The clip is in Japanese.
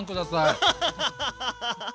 アハハハハ！